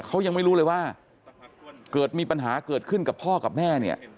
เขายังไม่รู้เลยว่าเกิดมีปัญหาเกิดขึ้นกับพ่อกับแม่เนี่ย